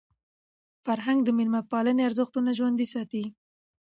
فرهنګ د میلمه پالني ارزښتونه ژوندۍ ساتي.